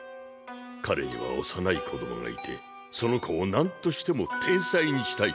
彼には幼い子供がいてその子を何としても天才にしたいと思っていた。